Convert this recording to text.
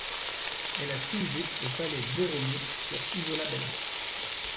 Elle a siégé au palais Borromée, sur Isola Bella.